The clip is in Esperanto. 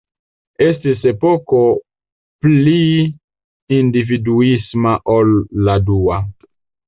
Estis epoko pli individuisma ol la dua.